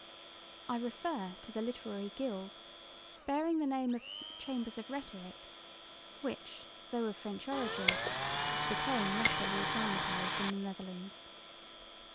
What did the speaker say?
I refer to the literary gilds, bearing the name of "Chambers of Rhetoric," which, though of French origin, became rapidly acclimatised in the Netherlands.